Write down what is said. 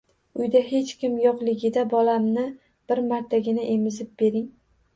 Uyda hech kim yo`qligida bolamni bir martagina emizib bering